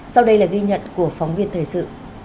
sau đây là ghi nhận của phóng viên thời sự